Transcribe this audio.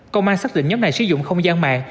công an xác định nhóm này sử dụng không gian mạng